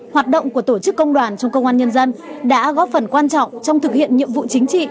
hoạt động của tổ chức công đoàn trong công an nhân dân đã góp phần quan trọng trong thực hiện nhiệm vụ chính trị